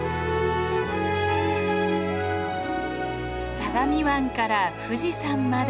相模湾から富士山まで。